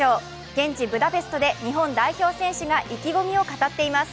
現地ブダペストで日本代表選手が意気込みを語っています。